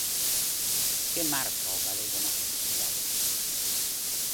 Que marca o galego na publicidade?